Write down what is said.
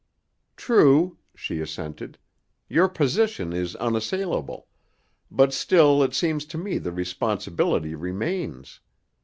"True," she assented. "Your position is unassailable, but still it seems to me the responsibility remains.